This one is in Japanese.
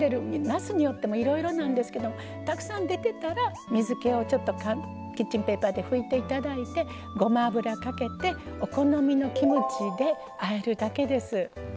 なすによってもいろいろなんですけどたくさん出てたら水けをキッチンペーパーで拭いていただいてごま油かけてお好みのキムチであえるだけです。